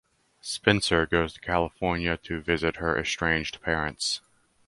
Spenser goes to California to visit her estranged parents.